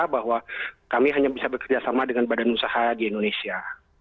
bahwa kami hanya bisa bekerjasama dengan badan usaha di indonesia